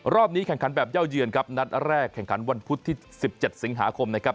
รอบนี้แข่งขันแบบเย่าเยือนครับนัดแรกแข่งขันวันพุธที่๑๗สิงหาคมนะครับ